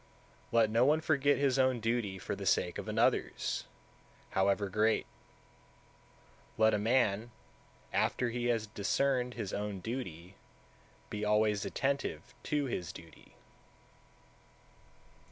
166. Let no one forget his own duty for the sake of another's, however great; let a man, after he has discerned his own duty, be always attentive to his duty.